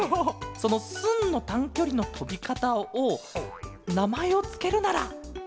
その「スン！」のたんきょりのとびかたをなまえをつけるならだいして。